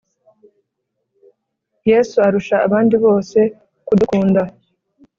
Yesu arusha abandi bose kudukunda